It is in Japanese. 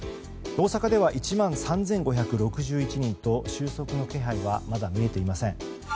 大阪では１万３５６１人と収束の気配はまだ見えていません。